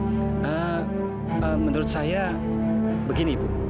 nah menurut saya begini bu